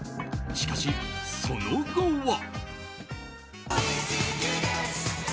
しかし、その後は。